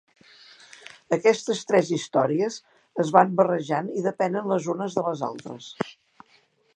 Aquestes tres històries es van barrejant i depenen les unes de les altres.